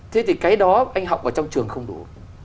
thế thì cái đó anh học ở trong trường không đủ